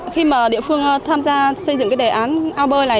khi mà địa phương tham gia xây dựng cái đề án ao bơi này